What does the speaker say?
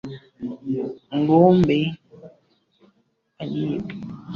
Ng'ombe aliyepigwa risasi iliyomvunja miguu yote ya mbele ameunguka zizini.